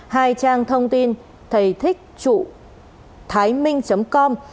hai trang thông tin thầythíchchụcthảiminh com